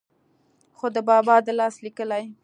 خو دَبابا دَلاس ليکلې